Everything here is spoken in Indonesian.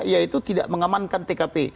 yaitu tidak mengamankan tkp